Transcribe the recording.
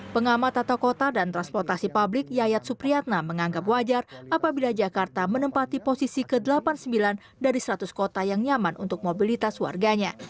pengamat tata kota dan transportasi publik yayat supriyatna menganggap wajar apabila jakarta menempati posisi ke delapan puluh sembilan dari seratus kota yang nyaman untuk mobilitas warganya